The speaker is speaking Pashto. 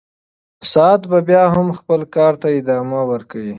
ساعت به بیا هم خپل کار ته ادامه ورکوي.